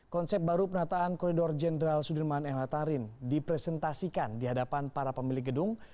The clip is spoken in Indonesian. konsep baru penataan koridor jenderal sudirman mh tarin dipresentasikan di hadapan para pemilik gedung